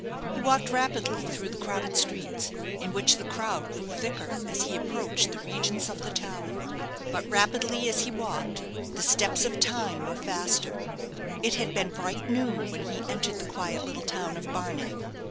He walked rapidly through the crowded streets, in which the crowd grew thicker as he approached the regions of the Tower. But rapidly as he walked, the steps of Time were faster. It had been bright noon when he entered the quiet little town of Barnet.